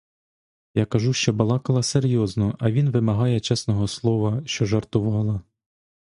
Я кажу, що балакала серйозно, а він вимагає чесного слова, що жартувала.